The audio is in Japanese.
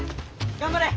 頑張れ！